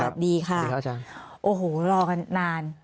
สวัสดีค่ะยูอาจารย์โอ้โหลอนาน